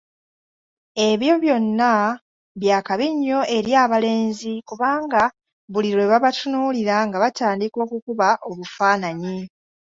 Ebyo byonna byakabi nnyo eri abalenzi kubanga buli lwe babatunuulira nga batandika okukuba obufaananyi.